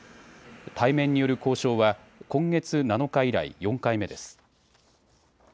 対面による交渉は今月７日以来４回目です。